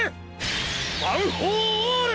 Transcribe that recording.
ワンフォーオール！